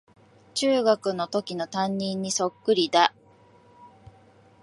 中学のときの担任にそっくりだ